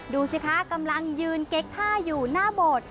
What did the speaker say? ดูสิคะกำลังยืนเก๊กท่าอยู่หน้าโบสถ์